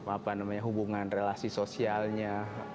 apa namanya hubungan relasi sosialnya